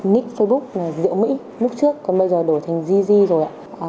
nít facebook là rượu mỹ lúc trước còn bây giờ đổi thành gigi rồi ạ